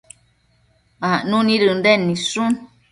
acnu nid Ënden nidshun